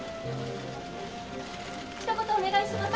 「ひと言お願いします」